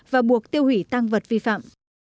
và buộc tiêu hủy tăng vật vi phạm